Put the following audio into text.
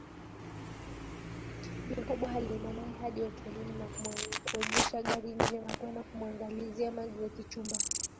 Jacob alienda naye hadi hotelini na kuegesha gari nje na kwenda kumuangalizia magreth chumba